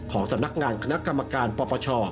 สำนักงานคณะกรรมการปปช